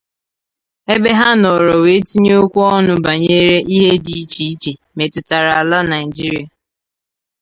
ebe ha nọrọ wee tinye okwu ọnụ banyere ihe dị iche iche metụtara ala Nigeria